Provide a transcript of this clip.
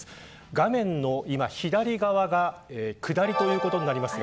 画面の今、左側が下りということになります。